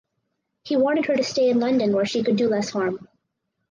He wanted her to stay in London where she could do less harm.